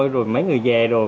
rồi mấy người về rồi